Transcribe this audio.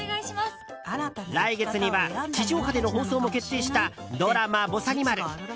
来月には地上波での放送も決定したドラマ「ぼさにまる」。